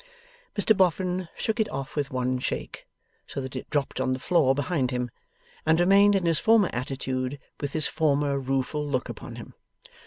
Mr Boffin shook it off with one shake, so that it dropped on the floor behind him, and remained in his former attitude with his former rueful look upon him.